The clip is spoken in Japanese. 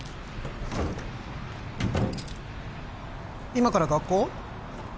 今から学校？